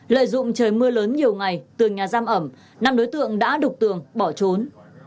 lợi dụng trời mưa lớn nhiều ngày tường nhà giam ẩm năm đối tượng đã đục tường bỏ trốn